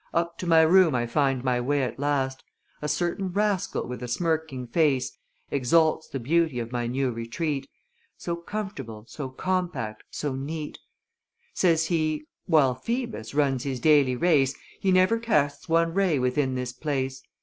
Up to my room I find my way at last A certain rascal with a smirking face Exalts the beauties of my new retreat, So comfortable, so compact, so neat. Says he, "While Phoebus runs his daily race, He never casts one ray within this place.